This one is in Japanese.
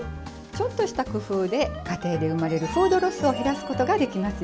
ちょっとした工夫で家庭で生まれるフードロスを減らすことができますよ。